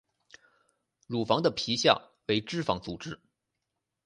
乳房的皮下为脂肪组织。